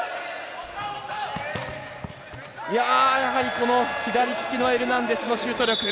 この左利きのエルナンデスのシュート力。